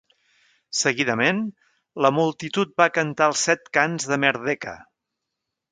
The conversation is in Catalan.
Seguidament, la multitud va cantar els set cants de "Merdeka".